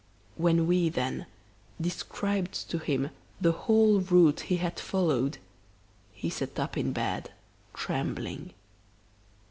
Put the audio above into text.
When we then described to him the whole route he had followed, he sat up in bed trembling.